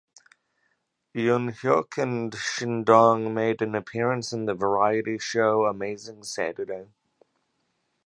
Eunhyuk and Shindong made an appearance in the variety show "Amazing Saturday".